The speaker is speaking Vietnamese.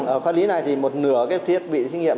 ở khoa lý này thì một nửa cái thiết bị xét nghiệm